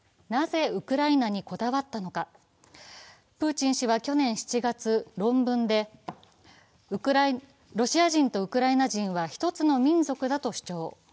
なぜ、ウクライナにこだわったのかプーチン氏は去年７月、論文で、ロシア人とウクライナ人は一つの民族だと主張。